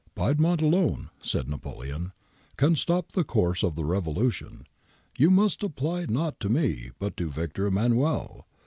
' Piedmont alone,' said Napoleon, * can stop the course of the revolution. You must apply not to me but to Victor Emmanuel.'